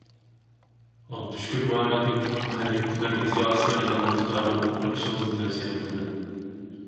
ئابدۇشۈكۈر مۇھەممەتئىمىننىڭ «قەدىمكى مەركىزىي ئاسىيا» ناملىق كىتابىنى ئوقۇپ بېقىشىڭىزنى تەۋسىيە قىلىمەن.